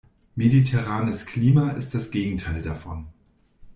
Mediterranes Klima ist das Gegenteil davon.